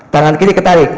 tangan kiri ketarik